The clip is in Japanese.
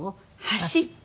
走って。